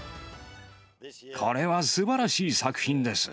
これはすばらしい作品です。